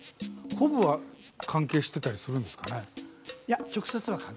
コブは関係してたりするんですかね？